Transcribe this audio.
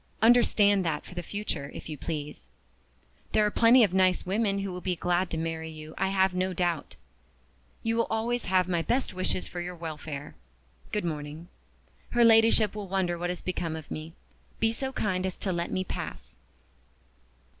Understand that for the future, if you please. There are plenty of nice women who will be glad to marry you, I have no doubt. You will always have my best wishes for your welfare. Good morning. Her Ladyship will wonder what has become of me. Be so kind as to let me pass."